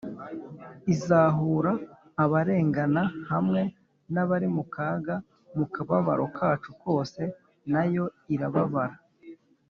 izahura abarengana hamwe n’abari mu kaga mu kababaro kacu kose na yo irababara